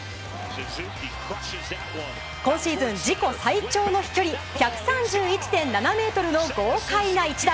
今シーズン自己最長の飛距離１３１．７ｍの豪快な一打。